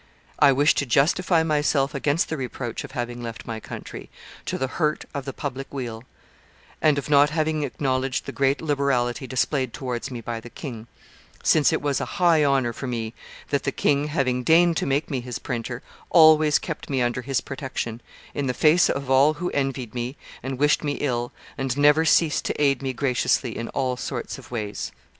... I wish to justify myself against the reproach of having left my country, to the hurt of the public weal, and of not having acknowledged the great liberality displayed towards me by the king; since it was a high honor for me that the king, having deigned to make me his printer, always kept me under his protection, in the face of all who envied me and wished me ill, and never ceased to aid me graciously in all sorts of ways."